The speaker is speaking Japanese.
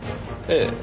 ええ。